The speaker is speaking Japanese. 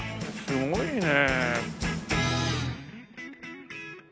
すごいね。